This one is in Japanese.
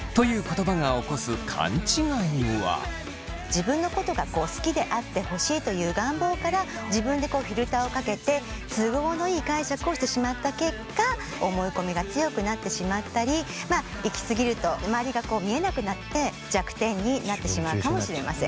自分のことが好きであってほしいという願望から自分でフィルターをかけて都合のいい解釈をしてしまった結果思い込みが強くなってしまったり行き過ぎると周りがこう見えなくなって弱点になってしまうかもしれません。